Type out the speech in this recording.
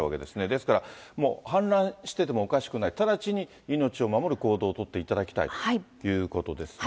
ですから、もう氾濫しててもおかしくない、直ちに命を守る行動を取っていただきたいということですね。